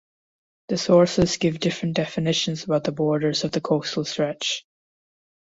The sources give different definitions about the borders of the coastal stretch.